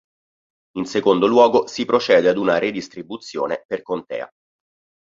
In secondo luogo si procede ad una redistribuzione per contea.